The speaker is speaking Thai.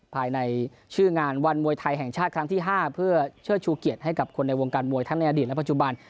ภายในชื่องานวันมวยไทยแห่งชาติครั้งที่๕เพื่อเชิดชูเกียรติให้กับคนในวงการมวยทั้งในอดีตและปัจจุบัน